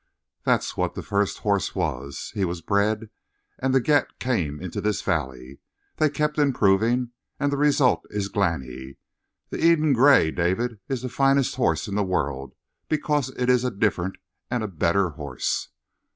That's what that first horse was. He was bred and the get came into this valley. They kept improving and the result is Glani! The Eden Gray, David, is the finest horse in the world because it's a different and a better horse!"